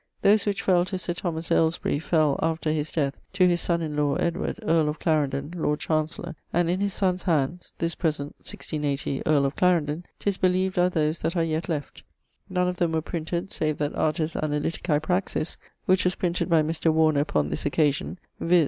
Those which fell to Sir Thomas Alesbury, fell, after his death, to his sonne in lawe, Edward, earle of Clarendon, Lord Chancellor, and in his sonne's hands (this present, 1680, earle of Clarendon) 'tis beleeved are those that are yet left; none of them were printed, save that Artis Analyticae Praxis, which was printed by Mr. Warner upon this occasion, viz.